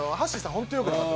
ホントよくなかった。